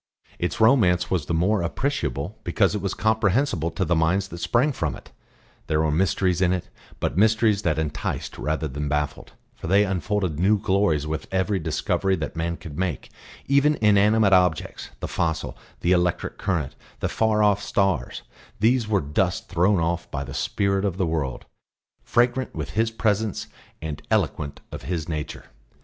Its romance was the more appreciable because it was comprehensible to the minds that sprang from it; there were mysteries in it, but mysteries that enticed rather than baffled, for they unfolded new glories with every discovery that man could make; even inanimate objects, the fossil, the electric current, the far off stars, these were dust thrown off by the Spirit of the World fragrant with His Presence and eloquent of His Nature.